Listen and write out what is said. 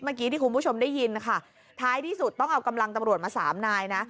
เมื่อกี้ที่คุณผู้ชมได้ยินนะคะท้ายที่สุดต้องเอากำลังตำรวจมาสามนายนะ